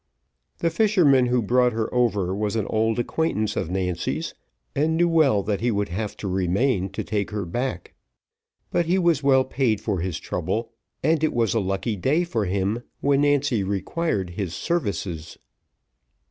The fisherman who brought her over was an old acquaintance of Nancy's, and knew that he would have to remain to take her back, but he was well paid for his trouble, and it was a lucky day for him when Nancy required his services.